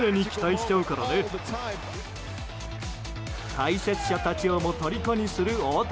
解説者たちをもとりこにする大谷。